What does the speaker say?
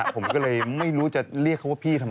ผมก็เลยไม่รู้จะเรียกเขาว่าพี่ทำไม